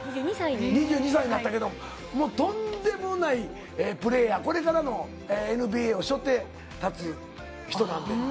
２２歳になったけど、もうとんでもないプレーヤー、これからのＮＢＡをしょって立つ人なんで。